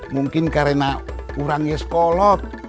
mungkin karena kurangnya sekolot